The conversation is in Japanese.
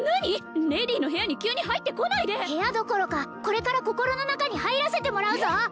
レディーの部屋に急に入ってこないで部屋どころかこれから心の中に入らせてもらうぞ！